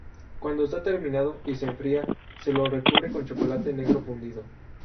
Cuando está terminado y se enfría, se lo recubre con chocolate negro fundido.